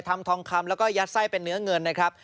ทองคำแล้วก็ยัดไส้เป็นเนื้อเงินนะครับ